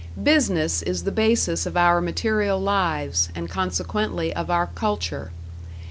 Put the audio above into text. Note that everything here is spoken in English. Business is the basis of our material lives, and consequently of our culture.